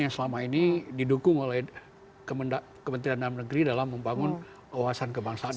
yang selama ini didukung oleh kementerian dalam negeri dalam membangun wawasan kebangsaan